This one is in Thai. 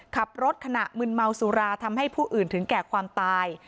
ขับรถขณะมึนเมาสุราทำให้ผู้อื่นถึงแก่ความตาย